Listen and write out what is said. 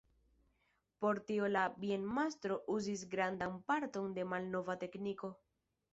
Por tio la bienmastro uzis grandan parton de malnova tekniko.